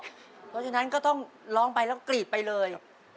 เพราะฉะนั้นก็ต้องร้องไปแล้วกรีดไปเลย